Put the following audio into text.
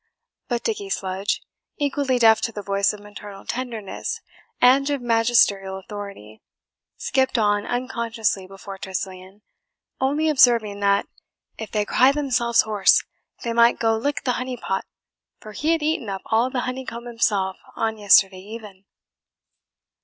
But Dickie Sludge, equally deaf to the voice of maternal tenderness and of magisterial authority, skipped on unconsciously before Tressilian, only observing that "if they cried themselves hoarse, they might go lick the honey pot, for he had eaten up all the honey comb himself on yesterday even."